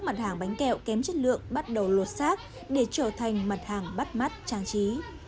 các trẻ không bán giỏ quà thì không nên vào